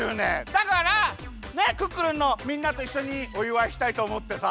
だからクックルンのみんなといっしょにおいわいしたいとおもってさ。